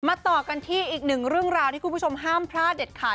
ต่อกันที่อีกหนึ่งเรื่องราวที่คุณผู้ชมห้ามพลาดเด็ดขาด